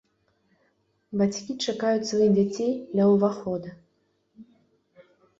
Бацькі чакаюць сваіх дзяцей ля ўвахода.